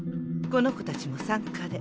この子たちも参加で。